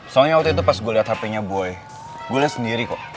soalnya waktu itu pas gue liat hpnya boy gue liat sendiri kok